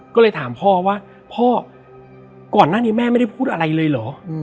ก็เลยถามพ่อว่าพ่อก่อนหน้านี้แม่ไม่ได้พูดอะไรเลยเหรอ